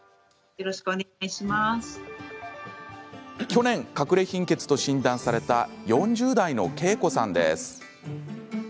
去年、かくれ貧血と診断された４０代のケイコさんです。